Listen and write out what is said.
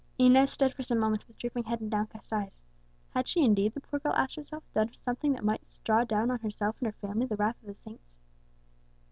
Inez stood for some moments with drooping head and downcast eyes. Had she indeed, the poor girl asked herself, done something that might draw down on herself and her family the wrath of the saints?